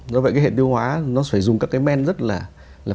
do vậy cái hệ tiêu hóa nó phải dùng các cái men rất là